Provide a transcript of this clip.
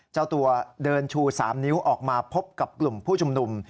เจ้าตัวเดินชู๓นิ้วออกมาพบกับกลุ่มผู้ชุมนุม